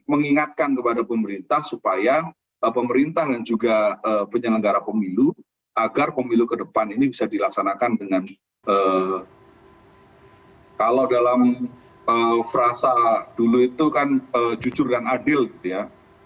mengingatkan kepada pemerintah supaya pemerintah dan juga penyelenggara pemilu agar pemilu ke depan ini bisa dilaksanakan dengan kalau dalam frasa dulu itu kan jujur dan adil gitu ya